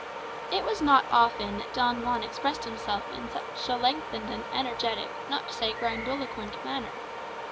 It was not often that Don Juan expressed himself in such a lengthened and energetic, not to say grandiloquent manner.